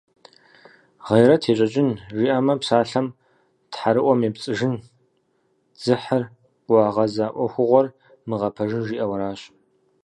«Гъейрэт ещӀэкӏын» жиӏэмэ, псалъэм, тхьэрыӀуэм епцӀыжын, дзыхьыр, къуагъэза Ӏуэхугъуэр мыгъэпэжын, жиӏэу аращ.